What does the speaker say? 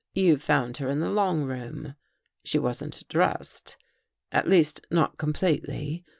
" You found her in the long room. She wasn't dressed — at least not completely.